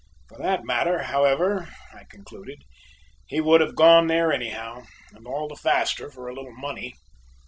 For that matter, however," I concluded, "he would have gone there anyhow, and all the faster for a little money."